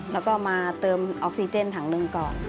แล้วก็มาเติมออกซิเจนถังหนึ่งก่อน